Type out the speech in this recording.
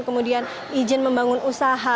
kemudian izin membangun usaha